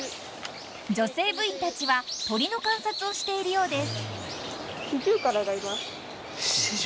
［女性部員たちは鳥の観察をしているようです］